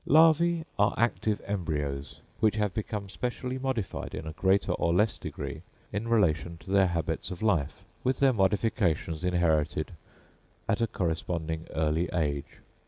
Larvæ are active embryos, which have become specially modified in a greater or less degree in relation to their habits of life, with their modifications inherited at a corresponding early age.